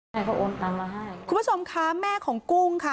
ต่ำมาให้คุณผู้ชมค่ะแม่ของกุ้งค่ะ